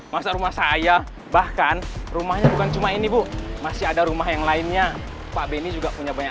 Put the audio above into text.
masa rumah saya bahkan rumahnya bukan cuma ini bu masih ada rumah yang lainnya pak beni juga punya banyak